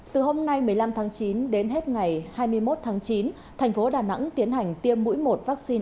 từ hôm nay một mươi năm tháng chín đến hết ngày hai mươi một tháng chín tp đà nẵng tiến hành tiêm mũi một vắc xin